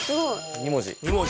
２文字。